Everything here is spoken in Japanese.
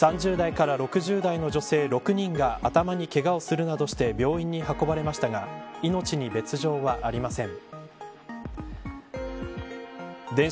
３０代から６０代の女性６人が頭にけがをするなどして病院に運ばれましたが命に別条はありません。